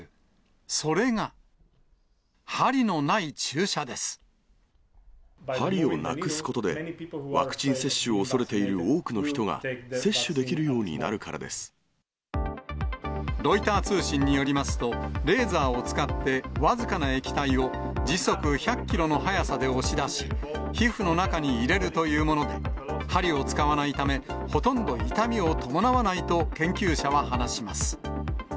それが、針をなくすことで、ワクチン接種を恐れている多くの人が接種できるようになるからでロイター通信によりますと、レーザーを使って、僅かな液体を時速１００キロの速さで押し出し、皮膚の中に入れるというもので、針を使わないため、ほとんど痛みを伴わないと、研究者は話します。